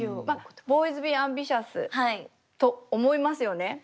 ま「ボーイズビーアンビシャス」と思いますよね？